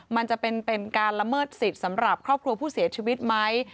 มันจะเป็นการละเมิดสิทธิ์สำหรับครอบครัวผู้เสียชีวิตไหม